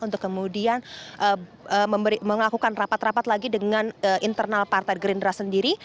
untuk kemudian melakukan rapat rapat lagi dengan internal partai gerindra sendiri